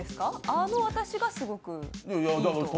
あの私がすごくいいと？